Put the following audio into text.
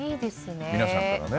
皆さんから。